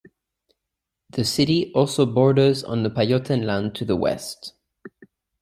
The city also borders on the Pajottenland to the west.